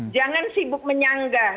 jangan sibuk menyanggah